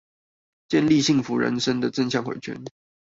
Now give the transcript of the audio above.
建立幸福人生的正向迴圈